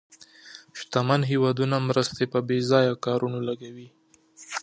شتمن هېوادونه مرستې په بې ځایه کارونو لګوي.